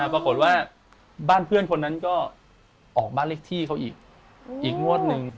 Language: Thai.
ปรากฏว่าบ้านเพื่อนคนนั้นก็ออกบ้านเลขที่เขาอีกอีกงวดหนึ่ง